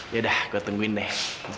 yaudah gue tungguin deh